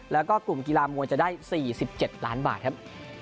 แล้วก็กลุ่มกีฬามวยจะได้๔๗ล้านบาทครับ